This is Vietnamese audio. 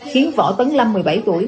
khiến võ tấn lâm một mươi bảy tuổi